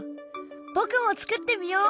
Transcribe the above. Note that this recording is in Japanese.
僕も作ってみよう！